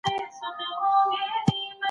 د بحرونو ازادي په نړیواله سوداګرۍ کي مهمه ده.